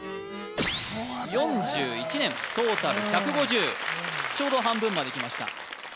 ４１年トータル１５０ちょうど半分まできました